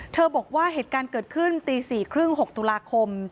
บอกว่าเหตุการณ์เกิดขึ้นตี๔๓๐๖ตุลาคม